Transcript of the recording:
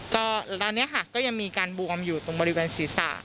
ก็ตอนนี้ค่ะก็ยังมีการบวมอยู่ตรงบริเวณศีรษะ